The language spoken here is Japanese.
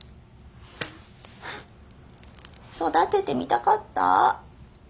はあ育ててみたかった。